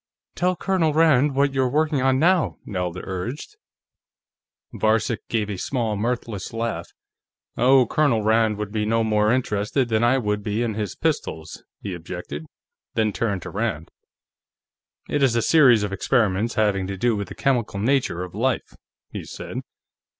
"Tell Colonel Rand what you're working on now," Nelda urged. Varcek gave a small mirthless laugh. "Oh, Colonel Rand would be no more interested than I would be in his pistols," he objected, then turned to Rand. "It is a series of experiments having to do with the chemical nature of life," he said.